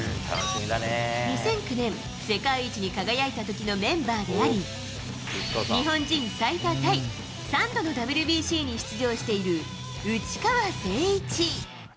２００９年、世界一に輝いたときのメンバーであり、日本人最多タイ、３度のＷＢＣに出場している内川聖一。